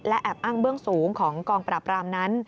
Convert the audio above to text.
และแอบอ้างเบื้องสูงของกองปราบรามนั้น